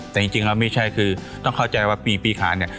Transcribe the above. แต่จริงแล้วไม่ใช่คือต้องเข้าใจว่าปีขานเนี่ย